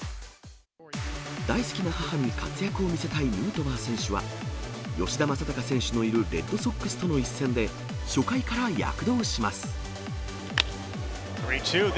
大好きな母に活躍を見せたいヌートバー選手は、吉田正尚選手のいるレッドソックスとの一戦で、初回から躍動します。